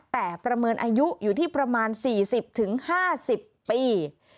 แต่ประเมินอายุอยู่ที่ประมาณ๔๐๕๐ปี